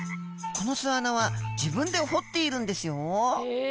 この巣穴は自分で掘っているんですよへえ！